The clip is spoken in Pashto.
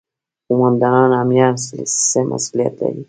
قوماندان امنیه څه مسوولیت لري؟